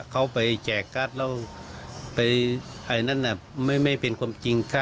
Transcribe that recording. เขาไปแจกการ์ดแล้วไปไอ้นั่นไม่เป็นความจริง